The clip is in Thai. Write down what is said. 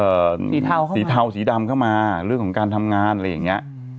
สีเทาสีเทาสีดำเข้ามาเรื่องของการทำงานอะไรอย่างเงี้ย